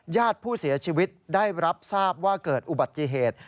ญาติผู้เสียชีวิตได้รับทราบว่าเกิดอุบัติเหตุ